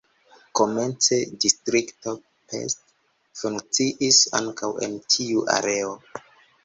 Komence „Distrikto Pest” funkciis ankaŭ en tiu areo.